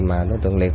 mà đối tượng liệt